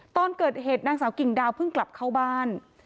ตอนเกิดเหตุนางสาวกิ่งดาวเพิ่งกลับเข้าบ้าน